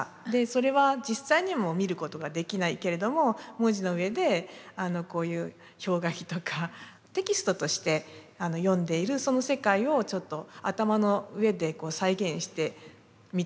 それは実際に見ることができないけれども文字の上でこういう氷河期とかテキストとして読んでいる世界をちょっと頭の上で再現してみたというそういう歌です。